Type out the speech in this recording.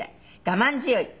「我慢強い。